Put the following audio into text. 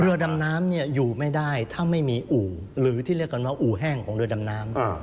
เรือดำน้ำเนี่ยอยู่ไม่ได้ถ้าไม่มีอู่หรือที่เรียกกันว่าอู่แห้งของเรือดำน้ำ